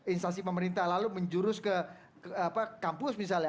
instansi pemerintah lalu menjurus ke kampus misalnya